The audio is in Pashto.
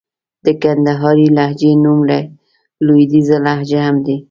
د کندهارۍ لهجې نوم لوېديځه لهجه هم دئ.